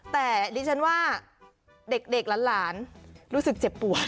แต่ดิฉันว่าเด็กหลานรู้สึกเจ็บปวด